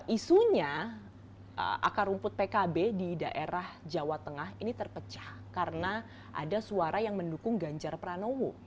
isunya akar rumput pkb di daerah jawa tengah ini terpecah karena ada suara yang mendukung ganjar pranowo